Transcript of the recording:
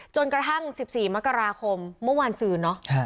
จนกระทั่ง๑๔มกราคมเมื่อวานสื่อเนาะ